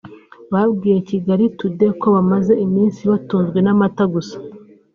babwiye Kigali Today ko bamaze iminsi batunzwe n’amata gusa